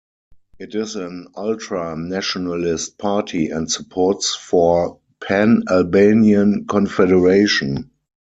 It is an ultra-nationalist party and supports for pan-Albanian confederation.